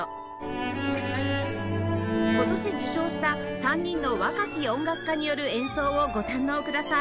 今年受賞した３人の若き音楽家による演奏をご堪能ください